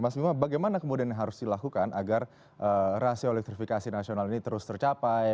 mas bima bagaimana kemudian harus dilakukan agar rasio elektrifikasi nasional ini terus tercapai